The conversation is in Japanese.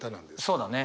そうだね。